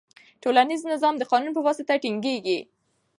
ټولنیز نظم د قانون په واسطه ټینګیږي.